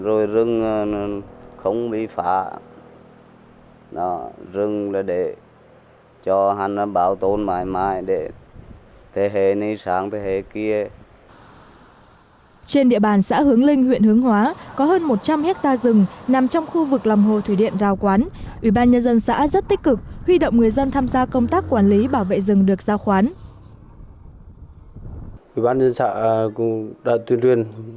ông hồ văn vi ở thôn sa bai xã hướng linh huyện hướng hóa tỉnh quảng trị nhận chăm sóc và bảo vệ hơn hai mươi ha rừng